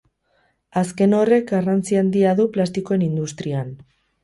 Azken horrek garrantzi handia du plastikoen industrian.